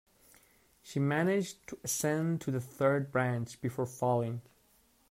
She managed to ascend to the third branch, before falling.